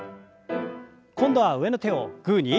今度は上の手をグーに。